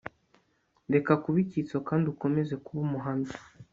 Reka kuba icyitso kandi ukomeze kuba umuhamya